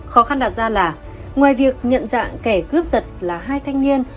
khó khăn đạt ra là ngoài việc nhận dạng kẻ cướp giật là hai thanh niên